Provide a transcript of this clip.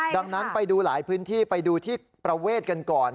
ดังนั้นไปดูหลายพื้นที่ไปดูที่ประเวทกันก่อน